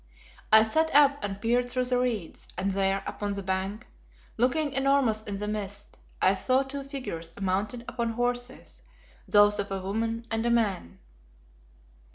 I sat up and peered through the reeds, and there upon the bank, looking enormous in the mist, I saw two figures mounted upon horses, those of a woman and a man.